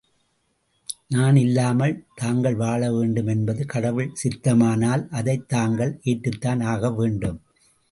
நான் இல்லாமல் தாங்கள் வாழ வேண்டும் என்பது கடவுள் சித்தமானால் அதை தாங்கள் ஏற்றுத்தான் ஆக வேண்டும்.